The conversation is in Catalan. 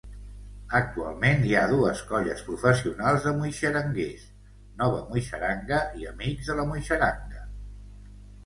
Actualment hi ha dues colles professionals de muixeranguers, Nova Muixeranga i Amics de la Muixeranga.